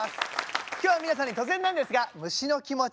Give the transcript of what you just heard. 今日は皆さんに突然なんですが虫の気持ち